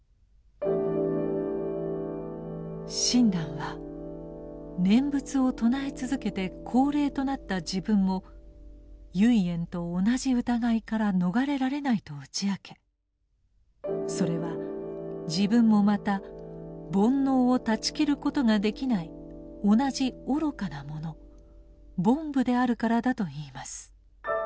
親鸞は念仏を称え続けて高齢となった自分も唯円と同じ疑いから逃れられないと打ち明けそれは自分もまた煩悩を断ち切ることができない同じ愚かな者「凡夫」であるからだと言います。